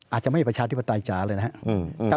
อาจจะไม่ประชาธิปไตยจ๋าเลยนะครับ